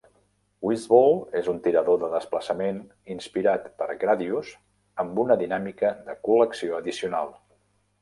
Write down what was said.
"Wizball" és un tirador de desplaçament inspirat per "Gradius" amb una dinàmica de col·lecció addicional.